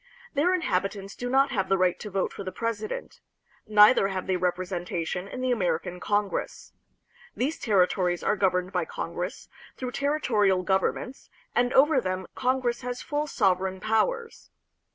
Their inhabitants do not have the right to vote for the presi dent; neither have they representation in the American Congress. These territories are governed by Congress, through territorial governments, and over them Congress has full sovereign powers.